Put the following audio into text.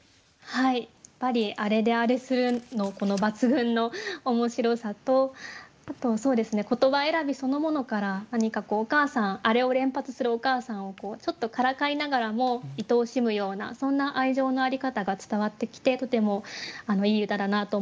やっぱり「あれであれする」のこの抜群の面白さとあと言葉選びそのものから「あれ」を連発するお母さんをちょっとからかいながらもいとおしむようなそんな愛情の在り方が伝わってきてとてもいい歌だなと思いました。